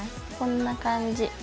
こんな感じ。